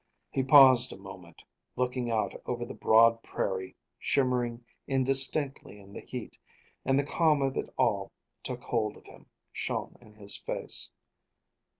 He paused a moment, looking out over the broad prairie shimmering indistinctly in the heat, and the calm of it all took hold of him, shone in his face.